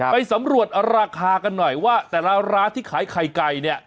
ไปสำรวจราคากันหน่อยว่าแต่ละร้านที่ขายไข่ไก่เนี่ย